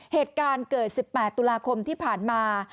เหตุการณ์เกิด๑๘ตุลาคมที่ผ่านมา